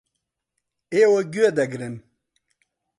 ئێوە گوێ دەگرن.